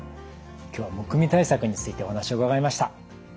今日はむくみ対策についてお話を伺いました。